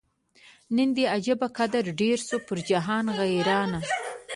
نن دي عجبه قدر ډېر سو پر جهان غیرانه